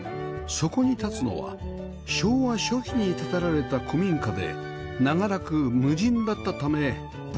そこに立つのは昭和初期に建てられた古民家で長らく無人だったためボロボロでした